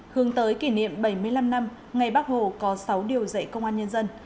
hướng tới kỷ niệm bảy mươi năm năm ngày bắc hồ có sáu điều dạy công an nhân dân